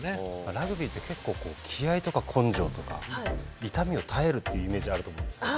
ラグビーって結構気合いとか根性とか痛みを耐えるってイメージあると思うんですけど。